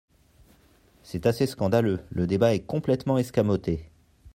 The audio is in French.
C’est assez scandaleux ! Le débat est complètement escamoté.